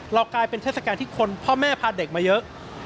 เรากลายเป็นเวทีทศักดิ์การ์ที่พ่อแม่พาเด็กมาเยอะ